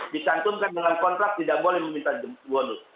disantumkan dengan kontras tidak boleh meminta bonus